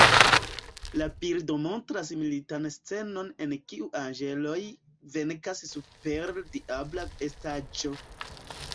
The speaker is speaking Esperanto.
La bildo montras militan scenon en kiu anĝeloj venkas super diabla estaĵo.